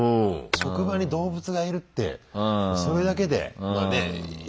職場に動物がいるってそれだけでねえ。